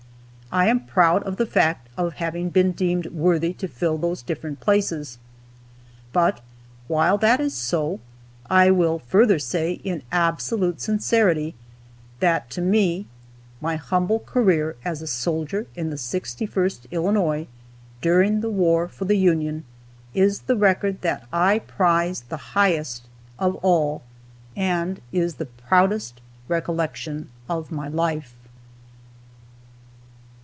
I am proud of the fact of having been deemed worthy to fill those different places. But, while that is so, I will further say, in absolute sincerity, that to me my humble career as a soldier in the 61st Illinois during the War for the Union is the record that I prize the highest of all, and is the proudest recollection of my life.